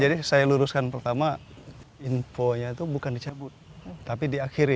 jadi saya luruskan pertama infonya itu bukan dicabut tapi diakhiri